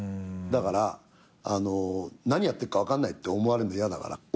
だから何やってっか分かんないって思われんの嫌だから。